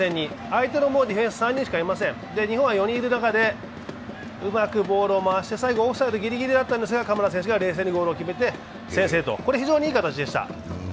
相手のディフェンスもう３人しかいません、日本は４人いる中でうまくボールを回して、最後、オフサイドギリギリだったんですが、先制と、これ非常にいい形でした。